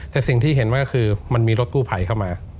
แต่สิ่งที่เห็นว่าคือมันมีรถกู้ภัยเข้ามา